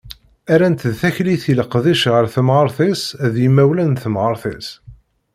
Rran-tt d taklit i leqdic ɣef temɣart-is d yimawlan n temɣart-is.